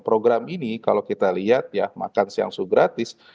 program ini kalau kita lihat ya makan siang sugratis